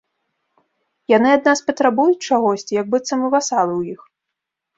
Яны ад нас патрабуюць чагосьці, як быццам мы васалы ў іх.